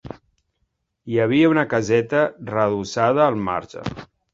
Hi havia una caseta redossada al marge.